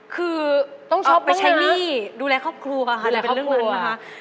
คือเอาไปใช้หนี้ดูแลครอบครัวอะไรเป็นเรื่องนั้นนะคะต้องช้อปบ้างนะ